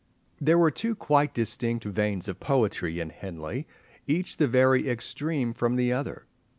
There were two quite distinct veins of poetry in Henley, each the very extreme from the other.